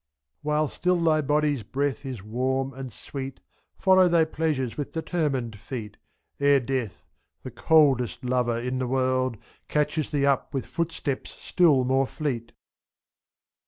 While still thy body's breath is warm and sweet, Follow thy pleasures with determined feet, f^'Ere death, the coldest lover in the world. Catches thee up with footsteps still more fleet.